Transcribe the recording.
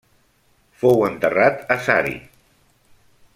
Fou enterrat a Sari.